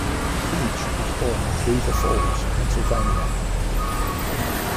Creach was born at Beaver Falls, Pennsylvania.